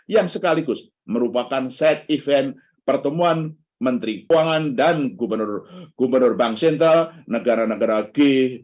yang sekaligus merupakan side event pertemuan menteri keuangan dan gubernur bank sentral negara negara g dua puluh